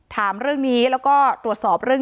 ถามเรื่องนี้แล้วก็ตรวจสอบ